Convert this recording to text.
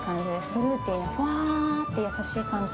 フルーティーなふわってやさしい感じ。